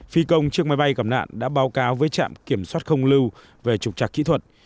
phi công chiếc máy bay gặp nạn đã báo cáo với trạm kiểm soát không lưu về trục trạc kỹ thuật